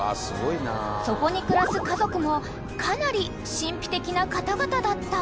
［そこに暮らす家族もかなり神秘的な方々だった］